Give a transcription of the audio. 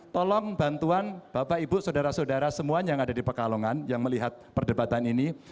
tolong bantuan bapak ibu saudara saudara semuanya yang ada di pekalongan yang melihat perdebatan ini